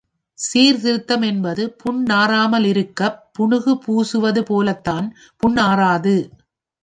சீர்திருத்தம் என்பது புண் நாறாமலிருக்கப் புணுகு பூசுவது போலத்தான் புண் ஆறாது.